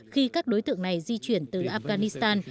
khi các đối tượng này di chuyển từ afghanistan